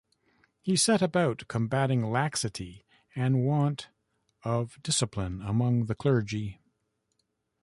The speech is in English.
He set about combating laxity and want of discipline among the clergy.